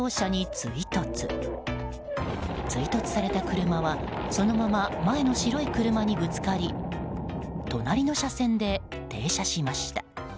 追突された車はそのまま前の白い車にぶつかり隣の車線で停車しました。